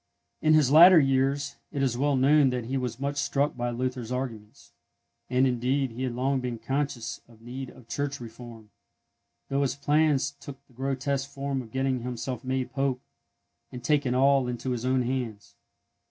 In his latter years it is well known that he was much struck by Luther's arguments; and, indeed, he had long been conscious of need of Church reform, though his plans took the grotesque form of getting himself made Pope, and taking all into his own hands.